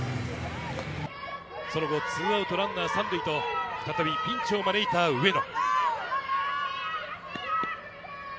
その後、ツーアウトランナー３塁と再びピンチを招いた上野。